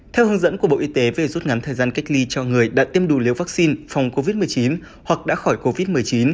theo hướng dẫn của bộ y tế về rút ngắn thời gian cách ly cho người đã tiêm đủ liều vaccine phòng covid một mươi chín hoặc đã khỏi covid một mươi chín